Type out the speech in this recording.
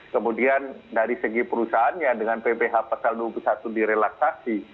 kemudian dari segi perusahaannya dengan pph pasal dua puluh satu direlaksasi